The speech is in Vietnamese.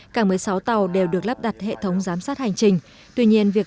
càng một mươi sáu tàu đều được lắp đặt hệ thống giám sát hành trình